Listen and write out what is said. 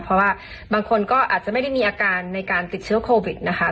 เพราะว่าบางคนก็อาจจะไม่ได้มีอาการในการติดเชื้อโควิดนะคะ